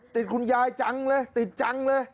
ติดคุณยายจังเลยติดจังเลย